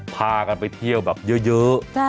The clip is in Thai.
พากันไปเที่ยวแบบเยอะ